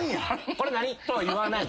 「これ何？」って言わない？